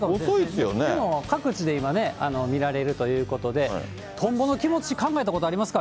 でも各地で今ね、見られるということで、とんぼの気持ち、考えたことありますか？